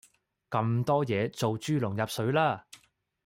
咁多嘢做豬籠入水啦